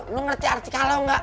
lo ngerti arti kalau nggak